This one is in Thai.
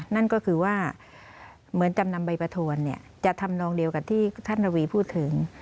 นั่นก็คือว่าเหมือนจำนำใบประทวนจะทำนองเดียวกับที่ท่านระวีพูดถึง